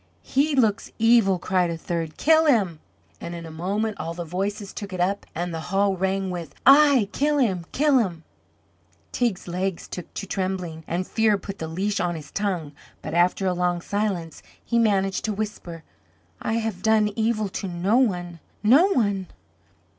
"He looks evil," cried a third. "Kill him!" And in a moment all the voices took it up and the hall rang with: "Aye, kill him, kill him!" Teig's legs took to trembling, and fear put the leash on his tongue; but after a long silence he managed to whisper: "I have done evil to no one no one!"